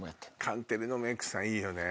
カンテレのメイクさんいいよね。